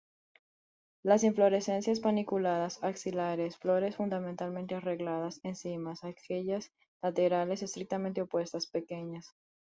Las inflorescencias paniculadas, axilares, flores fundamentalmente arregladas en cimas, aquellas laterales estrictamente opuestas, pequeñas.